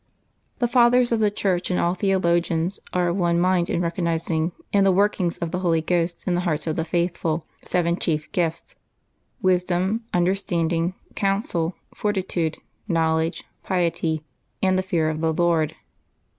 The Fathers of the Church and all theologians are of one mind in recognizing, in the workings of the Holy Ghost in the hearts of the faithful, seven chief gifts : Wisdom, Un derstanding, Counsel, Fortitude, Knowledge, Piety, and the Fear of the Lord.